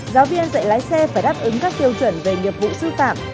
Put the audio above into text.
giáo viên dạy lái xe phải đáp ứng các tiêu chuẩn về nghiệp vụ sư phạm